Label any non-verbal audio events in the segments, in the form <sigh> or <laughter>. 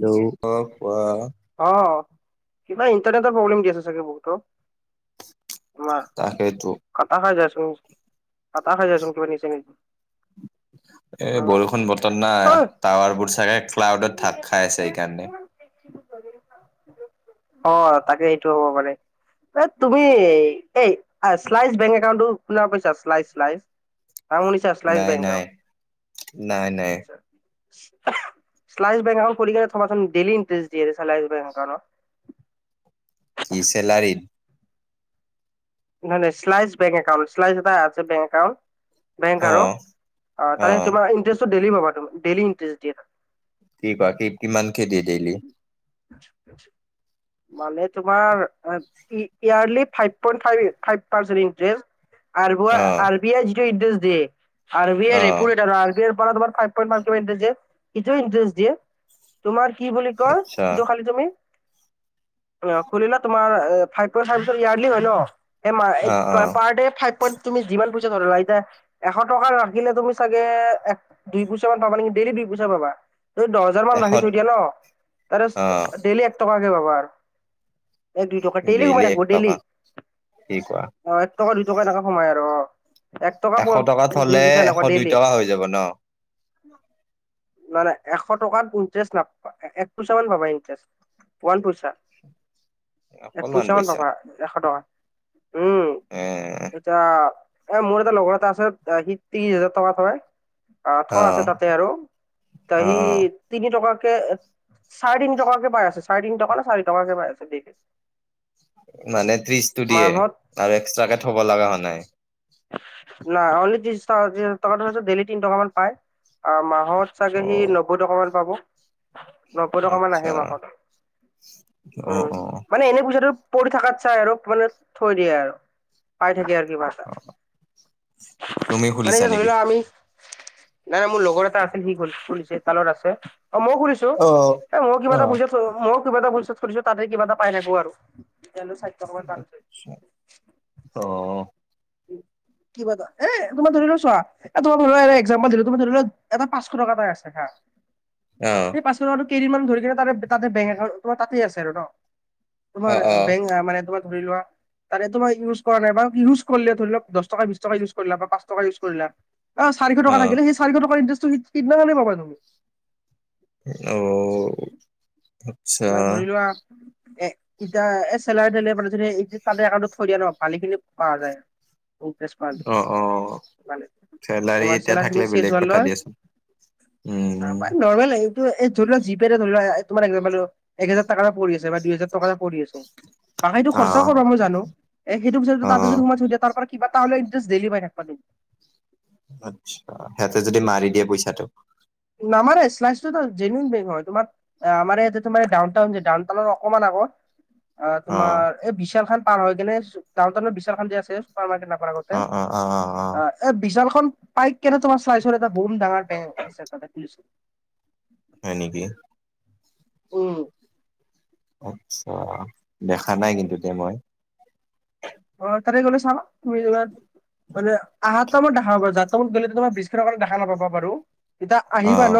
Hello! অঁ, কোৱা? অঁ, কিবা ইণ্টাৰনেটৰ প্ৰব্লেম দিয়ে আছে চাগে বহুত? তাকেইতো। খাটা খাই জীয়াই আছোঁ, কাটা খাই জীয়াই আছোঁ তোৰ নিচিনাই। এ বৰষুণ বৰ্তৰ না টাৱাৰ বোৰ চাগে ক্লাউডত ধাক খাই আছে এইকাৰণে। অঁ, তাকে এইটো হ'ব পাৰে। এই তুমি, এই আ শ্লাইচ বেংক একাউণ্টটো শুনা পাইছা? শ্লাইচ, শ্লাইচ। নাম শুনিছা? শ্লাইচ নাই বেংক নাই একাউণ্ট। নাই নাই চালাই বেংক একাউণ্ট খুলি কেনে থবা চোন দেলি ইণ্টাৰেষ্ট দিয়ে, চালাইছ বেংক একাউণ্টৰ। কি চেলাৰীত? নহয় নহয় শ্লাইচ বেংক একাউণ্ট, শ্লাইচ এটা আছে বেংক একাউণ্ট বেংক অ আৰু। অঁ' অ তাৰে তোমাৰ ইটেষ্টটো ডেইলী পাবা তুমি ডেইলী ইটাৰেষ্ট দিয়ে। কি কিমানকে দিয়ে ডেইলী। মানে তোমাৰ yearly five point, five five percent interest. R, O R B I যিটো ইণ্টষ্ট দেয়ে আৰ বি আইৰ অ ৰেপ এ আৰ বি আই পৰা তোমাৰ ফাইভ পইণ্ট মান কিবা ইণ্টাৰেষ্ট দিয়ে, এইটোয়ে ইণ্টাৰেষ্ট দিয়ে তোমাৰ কি বুলি কয় আচ্ছা সেইটো খালি তুমি খুলিলোৱা তোমাৰ ফাইভ <unintelligible> ইয়াৰলি হয় ন'। অ অ পাৰ দে ফাইভ পইট তুমি যিমান পইচা ধৰিলোৱা, এতিয়া এশ টকা ৰাখিলে তুমি চাগে এক দুই পইচা মান পাবা নেকি, ডেইলি দুই পইচা পাবা, দহ জন মান এশ ৰাখি থৈ দিয়া ন' তাৰে অ ডেইলি এক টকাকে পাবা আৰু। এক দুই টকা ডেইলি সোমাই এক থাকিব টকা ডেইলি, কি কোৱা অঁ' এক টকা দুই টকা এনেকা সোমাই আৰু অঁ'। এক টকা প এশ টকাত হলে দুই পইছা এশ এনেকা দুই ডেইলি। টকা হৈ যাব ন নহয় নহয়, এশ টকাত ইনত্ৰিশ নাপ এক পইচা মান পাবা ইণ্টাৰেষ্ট, ৱান পইচা, এক পইচা মান পাবা। এশ টকা, উম। এ এতিয়া এ মোৰ এটা লগৰ এটা আছে সি ত্ৰিশ হাজাৰ টকা থয়। আহ' অ থোৱা আছে তাতে আৰু অ সি অ তিনি টকা কে চাৰে তিনি টকাকে পাই আছে, চাৰে তিনি টকা নে চাৰি টকাকে পাই আছে ডেইলি। মানে ত্ৰিশটো দিয়ে মাহত আৰু এক্সট্ৰাকে থব লগা হোৱা নাই। নাই, অনলি ত্ৰিছ টকা দিয়ে <unintelligible> ডেইলি তিনি টকা মান পায়। মাহত চাগে অ সি নবৈ টকামান পাব। নবৈ টকা মান আহে আচ্ছা মাহত অ', উমঁ' অ', মানে এনেই পইচাটো পৰি থকাত চাই আৰু মানে থৈ দিয়ে আৰু পাই থাকে আৰু। কিবা এটা অঁ। যেনেকে ধৰি লোৱা আমি নাই মোৰ লগৰ এটা আছিল সি গ'ল, খুলিছে তাৰ লগত আছে, অঁ' মইয়ো খুুলিছো অ', মই কিবা এটা অ'। পইছা মইও কিবা এটা পইছা থৈ দিছোঁ তাত সেই কিবা এটা পাই থাকো আৰু। টকা মান পালো আচ্ছা' অঁ। কিবা এটা, এ তোমাৰ ধৰি লোৱা চোৱা এ তোমাৰ ধৰি লোৱা এ এক্সাম্পল দিলো তোমাৰ ধৰি লোৱা এটাত পাচশ টকা পাই আছা হা অঁ। পাচশ টকাতো কেইদিনমান <unintelligible> তাতে বেংক একাউণ্ট, তোমাৰ তাতে আছে আৰু ন'। তোমাৰ অ', বেংক মানে তোমাৰ ধৰি লোৱা তাতে তোমাৰ ইউজ কৰা নাই বা ইউজ কৰিলে ধৰি লোৱা দহ টকাই বিশ টকাই ইউজ কৰিলা বা পাচ টকাই ইউজ কৰিলা, অঁ' চাৰিশ টকা অ', লাগিলে সেই চাৰিশ টকাৰ ইণ্টাৰেষ্টটো <unintelligible> অঁ। মানে ধৰি লোৱা এ এতিয়া এ চেলাই দিলে মানে যদি তাৰে একাউণ্টত থৈ দিয়া ন' ভালে খিনি পোৱা যায়। তোমাৰ অ', অ'। চেলাৰী এতিয়া থাকিলে বেলেগ কথা দিয়াচোন, উম, <unintelligible> নৰ্মেল আহিব এই ধৰি লোৱা জি পে ৰে ধৰি লোৱা এ তোমাৰ <unintelligible> এক হাজাৰ টাকাটা পৰি আছে বা দুইজাৰ টকা এটা পৰি আছে তাকেটো খৰচাও অ', কৰিবা মই জানো এ সেইটো পিছত তাতে যদি অ', সোমাই থৈ দিয়া তাৰ পৰা কিবাতা হলে ইন্টাৰেষ্ট ডেইলি পাই থাকবা দে আত্ছা সিহঁতে যদি মাৰি দিয়ে পইচাটো নামাৰে শ্লাইচটোত জেনিউন বেংক হয় তোমাৰ অ আমাৰ ইয়াতে তোমাৰ ডাউন টাউন যে ডাউন টাউনৰ অকণমান আগত অ তোমাৰ এই বিশাল খান পাৰ হয় কিনে তাৰ তলত বিশাল খান যে আছে চুপাৰ মাৰ্কেট নপৱাৰ আগত অ অ অ অ অ। এ বিশালখন, পাইক কেনে তোমাৰ চাইছো এটা বম ডাঙৰ বেংক তাতে খুলিছে হয় নিকি। উম। আচ্ছা, দেখা নাই কিন্তু দে মই। অ তাতে গ'লে চাবা তুমি এইবাৰ গলে আহাত যাৱা টাইমত দেখা নাপাবা যাবা তামত গলে ত তোমাৰ ব্ৰিজখনৰ কাৰণে দেখা নাপবা বাৰু যেতিয়া অ আহিবা ন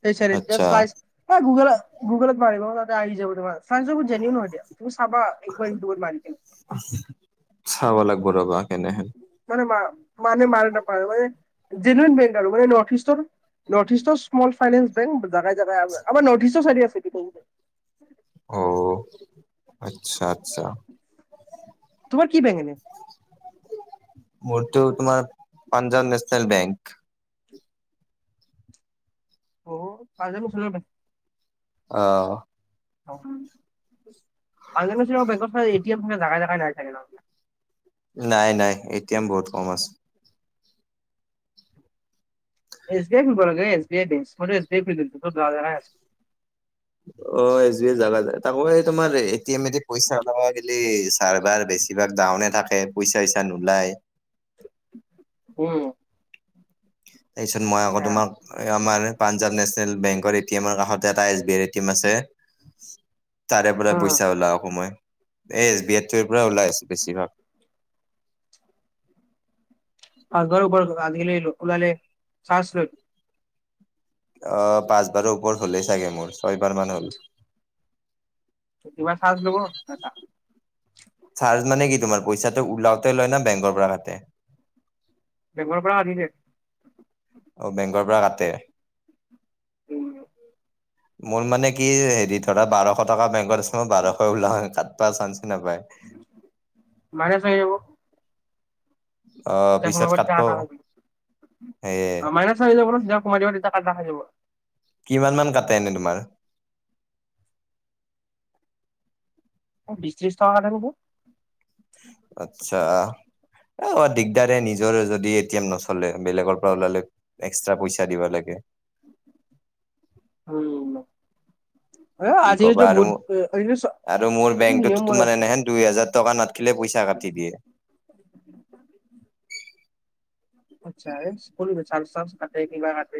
সেই চাইদে তেতিয়া আচ্ছা চাই চা এ গুগলত গুগলত মাৰিব তাতে আহি যাব তোমাৰ চাইনচবোৰ জেনিউন হয় দিয়া তুমি চাবা একবাৰ দৌন মাইন থিং <unintelligible> চাব লাগব ৰ'বা কেনেহেন। মানে মা মানে মাৰদ মাৰোৱাৰী যিমান মানে নৰ্থ ইষ্টৰ নৰ্থ ইষ্টৰ স্মল ফাইনেন্স বেংক জাগাই জাগাই আমাৰ নৰ্থ ইষ্ট চাইডে আছে এইটো বেংকটো অও, আচ্ছা আচ্ছা। তোমাৰ কি বেংক এনে। মোৰটো তোমাৰ, পাঞ্জাৱ নেচনেল বেংক। অ পাঞ্জাৱ নেচনেল বেংক আ। উম পাঞ্জাৱ নেচনেল বেংকত চাগে এটি এম চাগে জাগাই জাগাই নাই চাগে নাই নাই, এ টি এম বহুত কম আছে। এছ বি আই খুলিব লাগে এছ বি আই বেংচ্ মোৰ ত এছ বি আই খুলিলো চব জাগা জাগাই আছে অ এছ বি আই জাগা তাকৌ এই তোমাৰ এ টি এমে দি পইচা ওলাবা গলে চাৰবাৰ বেছ কিবা ডাউনে থাকে পইচা চইচা নোলায়। উম। তাৰপিছত মই আকৌ আচ্ছা তোমাক, আমাৰ পাঞ্জাৱ নেচনেল বেংকৰ এ টি এমৰ কাষতে এটা এছ বি আইৰ এ টি এম আছে। তাৰে পৰা অ পইচা উলাও আক মই এ এছ বি আইৰ টো পৰা ওলাই বেছি ভাগ। আগৰ ওপৰত আনিলে লুকুৱালে চাৰ্জ লয় অ পাঁচবাৰৰ ওপৰত হলেই চাগে মোৰ ছয়বাৰ মান হ'ল। ত কিবা লব এনকা চাৰ্জ মানে কি তোমাৰ পইচাটো ওলাওতে লয় না বেংকৰ পৰা কাটে। বেংৰ পৰা <unintelligible> অ বেংকৰ পা কাটে। উম মোৰ মানে কি হেৰি ধৰা বাৰশ টকা বেংকত আছে মই বাৰশই উলাও কাটবা চাঞ্চ নাপায় মাইনাছ লাগিব অ' যেতিয়া পিছত সোমাব তেতিয়া কাটব কাটা খাই যাব সেয়ে অ মাইনাছ লাগি যাব ন যেতিয়া সোমাব তেতিয়া কাটা খাই যাব কিমান মান কাটে এনেই তোমাৰ। বিশ ত্ৰিশ টকা কাটে নেকি। আটচা এ অ দিগদাৰে নিজৰে যদি এতিয়াম নচলে বেলেগৰ পৰা ওলালে এক্সট্ৰা পইচা দিব লাগে। উম। কি ক'বা আৰু আৰু মোৰ <unintelligible> নিয়ম বেংকটোতো মানে বনাইছে এনেহেন দুই হেজাৰ টকা নাথকিলে পইচা কাটি দিয়ে। আচ্ছা <unintelligible> কাটে, কিবা কাটে,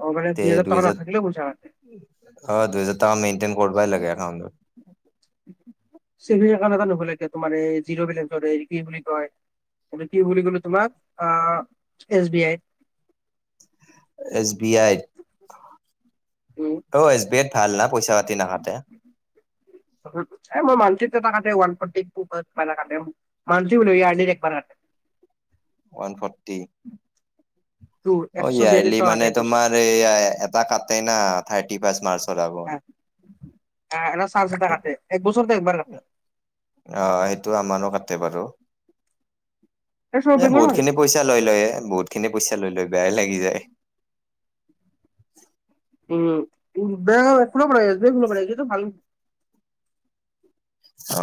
অ মানে তে দুই হাজাৰ টকা না দুহেজাৰ থাকিলেও পইচা কাটে। অ দুই হাজাৰ টকা মনটেইন কৰবই লাগে একাউণ্টত। ছেভিং একাউণ্ট এটা নুব লাগে তোমাৰ জিৰ বেলেঞ্চত এই কি বুলি কয় কি কি বুলি কলো তোমাক অ S B I S B আইত উম অ এছ বি আইত ভাল না পইচা পাতি নাকাতে এহ মন্থলী এটা কাতে <inaudible> মানল আ <inaudible> ওৱান ফৰটি তোৰ একশ বিয়াল্লিশ টকা কাটে এক বছৰত। এয়াই এটা কাটেই না থাৰ্তি ফাৰ্ষ্ট মাৰ্চ আ <inaudible> এক বছৰ একবাৰ কাতে অ সেইটো আমাৰো কাটে বাৰু, এই চব এ বেংকৰে বহুত কাটে খিনি পইচা লৈ লয় এ বহুত খিনি পইচা লৈ লয় বেয়াই লাগি যায়। উম উ বেয়া <unintelligible>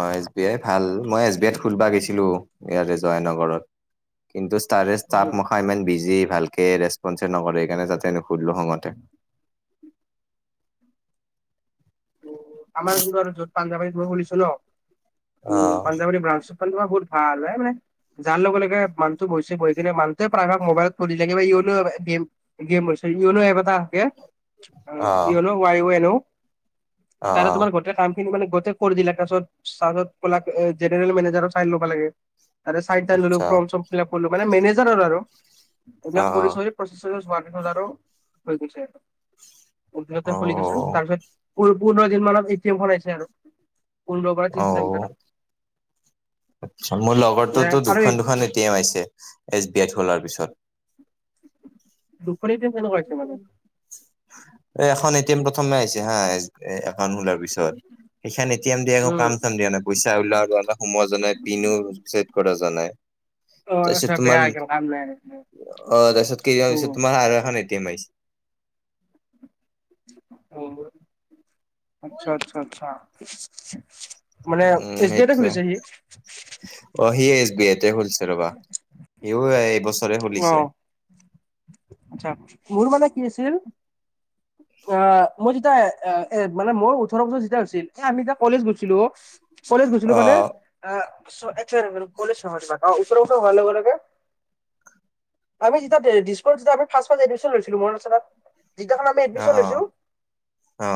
অ এছ বি আই ভাল মই এছ বি আইত খুলীবা গৈছিলো ইয়াৰে জয়ানগৰত কিন্তু ষ্টাৰে তাপ উম হয় ইমান বিজি ভালকে ৰেচপন্চে নকৰে সেই কাৰণে তাতে নুখুলিলোঁ খঙতে আমাৰ কিন্তু আৰু য'ত পাঞ্জাৱাৰী ত মই খোলিছো ন অ উ পাঞ্জাৱাৰী ব্ৰাঞ্চ <inaudible> ভাল মানে যাৰ লগে লগ মুহটো বহিছে বহি কিনে মানুহটোৱে প্ৰায়ভাগ মোবাইলত <inaudible> ফ থাকে বা ই গেম গেমছে ইয়নো এব এটা থাকে অ ইয়নো ৱাই এনো অ তাৰে তোমাৰ গোটেই কাম মানে গোটে কৰি দিলাক তাৰপাছত তাৰ জেনেৰেল মেনেজাৰৰ চাইন লব লাগে তাৰে চাইন টাইন ললোঁ আচ্ছা ফৰ্ম চৰ্ম ফিল আপ কৰিলো মানে মেনেজাৰৰ আৰু অ এইবিলাক অ কৰি চ জাৰ <inaudible> হৈ গৈছে অ খুলি গৈছে তাৰপিছত পোন্ধৰ দিন মানত এ টীম খন আহিছে আৰু পোন্ধৰ পৰা ত্ৰিছ দ আ মোৰ লগৰটোতো দুখন দুখন এ টি এম আছে এছ বি আই খোলাৰ পিছত শুনি <inaudible> তেনেকুৱাই হৈছে মানে এ এখন এ টি এম প্ৰথমে আহিছে হা এ একাউণ্ট খোলাৰ পিছত সেইখন এ টি এম দি আকৌ উম কাম চাম দিয়া নাই পইচা ওলাও আৰু সোমোৱা জাই পিনোড ছেদ কৰা যোৱা নাই তাৰপিছত তোমাৰ অ তাৰপিছত কি হৈছে তোমাৰ আৰু এখন এটি এম আহিছে আচ্ছা আচ্ছা আচ্ছা মানে উম এছ বি আই তে সেইটোৱে খুলিছে সি অ সি এছ বি আইতে খুলিছে ৰবা সিও এইবছৰে অ খুলিছে আচ্ছা মোৰ মানে কি হৈছিল অ', মই যেতিয়া এ মানে মই ওঠৰ বছৰ যেতিয়া হৈছিল, এ আমি যেতিয়া কলেজ গৈছিলোঁ অ'। কলেজ গৈছিলোঁ অ মানে অ', এক চেকেণ্ড এক চেকেণ্ড কলেজ নহয় ৰবা ওঁঠৰ বছৰ হোৱাৰ লগে লগে আমি যেতিয়া দিছপুৰত যেতিয়া আমি ফাৰ্ষ্ট ফাৰ্ষ্ট এডমিচন লৈছিলো মনত আছে না, যিদিনাখন আমি অ এডমিশ্যন অ লৈছোঁ, অ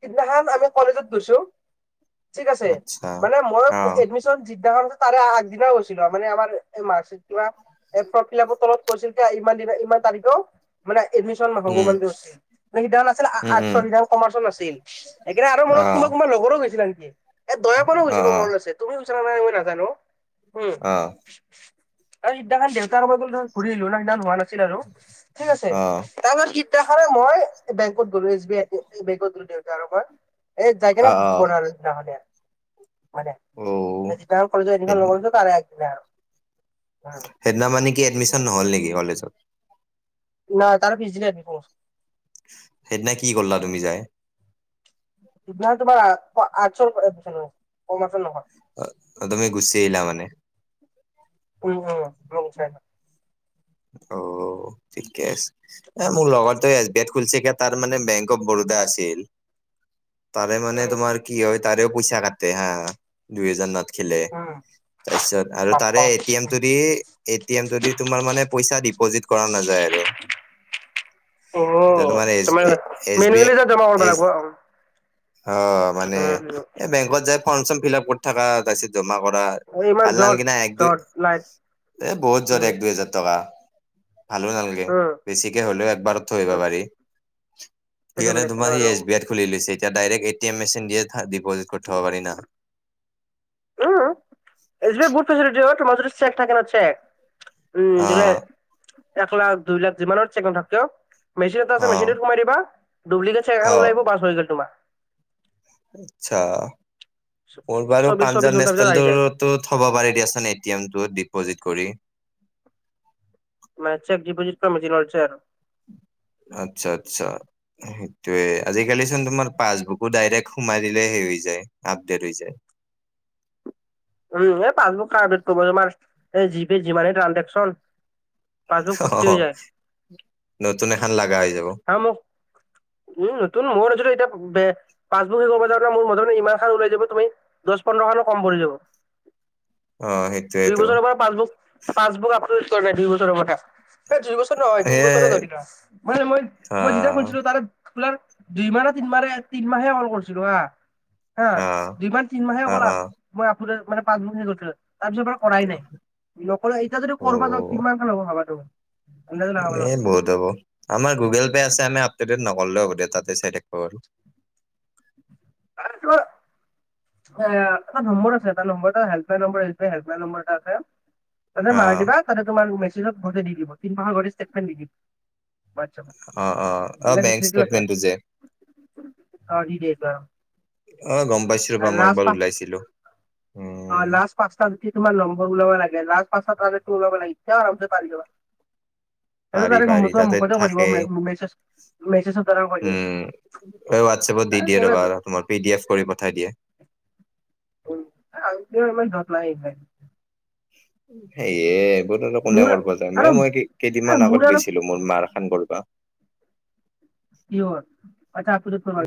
সিদিনাখন আমি কলেজত গৈছোঁ। ঠিক আছে, আচ্ছা মানে মই অ এডমিশ্যন যিদিনাখন আছে তাৰে আগদিনা গৈছিল মানে আমাৰ মাত কিবা এ ফৰ্ম ফিলআপৰ তলত কৈছিল যে, ইমান দিনা ইমান তাৰিখে মানে এডমিশন নহ'ব উম মানে কৈছিল। সেইদিনাখন আছিল উম উম আৰ্টছৰ কমাৰ্চৰ নাছিল সেইকাৰণে, আৰু মোৰ অ লগত কোনোবা কোনোবা লগৰো গৈছিল আনকি। এ দয়াকনো অ গৈছিল মোৰ মনত আছে তুমি গৈছা নে নাই মই নাজানো। অ'। আৰু সিদিনাখন দেউতা আৰু মই গ'লো ঘূৰি আহলো ন' সিদিনা হোৱা নাছিল আৰু ঠিক আছে। তাৰপিছত সিদিনাখনেই মই বেংকত গ'লো এছ বি আই বেংকত গ'লো দেউতা আৰু মই। এই অ অ জাইকেনে অ বনালো সেইদিনাখনেই। মানো যোনদিয়াখন কলেজত এডমিশন ল'ব গৈছো তাৰে আগদিনা আৰু উম। সেইদিনা মানে কি এডমিচন নহ'ল নেকি কলেজত? নাই তাৰ পিছ দিনা এডমিশ্যন হৈছে। সেইদিনা কি কৰিলা তুমি যাই? সিদিনাখন তোমাৰ আৰ্টছৰ <unintelligible> কমাৰ্চৰ নহয়। অ', তুমিগুচি আহিলা মানে? উম, উম, মই গুচি আহিলোঁ। অ', ঠিকে আছে, এ মোৰ লগৰটোৱে এছ বি আইত খুলিছে কে তাৰ মানে বেংক অফ বৰো দা আছিল তাৰে মানে উম তোমৰ কি হয় তাৰেও পইচা কাটে হা দুই হজাৰ না থকিলে, উম তাৰপিছত আৰু তাৰে বাপ্পা এটি এম টো দি এটি এম টো দি তোমাৰ মানে দিপজীত কৰা নাযায় আৰু। অ এ ত' মানে এছ, তোমাৰ এছ বি মেনুৱেলি আই, যে জমা কৰিব এছ লাগিব অ', মানে এ বেংকত যাই ফৰ্ম চৰ্ম ফিল আপ কৰি থকা আৰু তাৰপিছত জমা কৰা উম ইমান ভাল জট নালগে না এক দুই জট লাইট এ বহুত যাত উম এক দুই হেজাৰ টকা ভালো নালাগে, উম বেছিকে হ'লেও একবাৰত থৈ আহিব পাৰি। সেইটো সেইকাৰণে বেলেগ তোমাৰ কথা বাৰু এছ বি আইত খুলি লৈছে এতিয়া ডাইৰেক্ট এটিম মেচিন দিয়ে ডিপজিট কৰি থব পাৰি না। উম, এচ বি আই বহুত ফেচিলিটী তোমাৰ যদি চেক থাকে ন' চেক। উম, অ ধলে এক লাখ দুই লাখ যিমানৰ চেক নাথাকক কিয়। মেচিন এটা অ আছে মেচিনটোত সোমাই দিবা ডুপ্লিকেট চেক অ এখন ওলাই আহিব বাচ হৈ গ'ল তোমাৰ। আচ্ছা, মোৰ বাৰু চৌবিশ চৌবিশ পাঞ্জাৱ ঘণ্টাৰ পিছত আহি যায় নেশচনেলটোত টো থ'ব পাৰি দিয়াচোন এটি এম টো ডিপজিট কৰি। মানে চেক ডিপিজিট কৰা মেচিন ওলাইছে আৰু। আচ্ছা আচ্ছা। সেইটোয়ে আজিকালি চোন তোমাৰ পাছবুকো ডাইৰেক্ট সোমাই দিলে হে হৈ যায় আপডেট হৈ যায়। উম, এ পাছবুক আপডেট কৰিব তোমাৰ এই জি পে যিমানেই ট্ৰান্জেক্যন। অ', নতুন এখন লগা হৈ যাব। হা মোক উম, নতুন মোৰো যদি এতি বে পাছবুক শেষ হ'ব যাওঁতে মোৰ মোটামুটি ইমান খন ওলাই যাব তুমি দহ পোন্ধৰ খনো কম পৰি যাব। <inaudible> দুই সেইটোয়েতো বছৰৰ পৰা পাছবুক পাছবুক আপটোদেত কৰা নাই দুই বছৰৰ পৰা। এই দুই বছৰ নহয় এ তিন বছৰে ধৰি লোৱা মানে মই অ মই যেতিয়া খুলিছিলোঁ তাৰ আপোনাৰ দুই মাহ না তিন মাৰে তিনমাহে কল কৰিছিলো হাঁ। হাঁ অ অ দুই মাহ তিনি মাহে অকল অ অ ময় আপোনাৰ- তাৰ পিছত পৰা কৰাই নাই নকৰে এতিয়া যদি কৰিব যাওঁ কিমানকে লব ভাবা তুমি। আন্দাজে লগাব নে নোৱাৰা। বহুত হ'ব, আমাৰ গুগল পে' আছে আমি আপডেটেট নক'লেও হ'ব দে তাতে চাই থাকিব পাৰো। <unintelligible> এ এটা নম্বৰ আছে এটা নম্বৰ হেল্পলাইন নম্বৰ আহি হেল্পলাইন নম্বৰ এটা আছে। তাতে মাৰ অ', দিবা তাতে তোমাৰ মেছেজত ঘৰতে দি দিব তিমাহৰ গোটেই ষ্টেটমেণ্ট দি দিব। অ', অ', অ', ৱাইতছেপ, বেংক কেলে বেয়া? ষ্টেটমেন্টটো যে <unintelligible> ফটো মাৰব ওলাইছিলো উম। অঁ, লাষ্ট পাঁচটাত যেতি তুমাৰ নম্বৰ ওলাব লাগে লাষ্ট পাটো ওলাব লাগে এতিয়া পাৰি যাবা। সেইটো পাৰি ডাইৰেক্ট পাৰি মুখতে তাতে মুখতে কৈ দিব থাকে। মে- মেছেজ মেছেজৰ দ্বাৰা কৰি উম' এ হোৱাটছএপত দি দিয়া ৰবা দিব। তোমাৰ পি ডি এফ কৰি পঠাই দিয়া। উম' এই আহিছোহে ইমান তত নাই ইহে। সেয়ে এইবোৰত কোনে কৰিব যায় এই মই কেইদিনমান মোৰ আগত আৰু গেইছিলো। মোৰ মাৰ খান কৰিবা। কি হ'ল? পইছা আকো দে তোমাৰ।